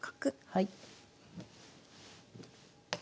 はい。